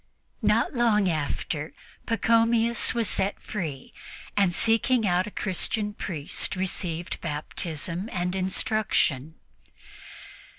Not long after, Pachomius was set free and, seeking out a Christian priest, received Baptism and instruction.